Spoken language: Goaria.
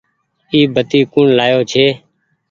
اي بتي ڪوڻ لآيو ڇي۔